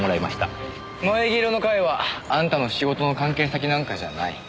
もえぎ色の会はあんたの仕事の関係先なんかじゃない。